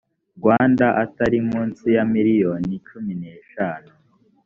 rwanda atari munsi ya miliyoni icumi n eshanu